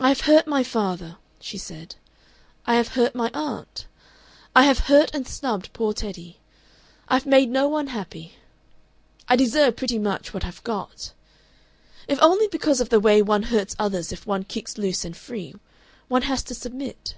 "I have hurt my father," she said; "I have hurt my aunt. I have hurt and snubbed poor Teddy. I've made no one happy. I deserve pretty much what I've got.... "If only because of the way one hurts others if one kicks loose and free, one has to submit....